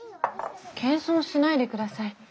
謙遜しないで下さい。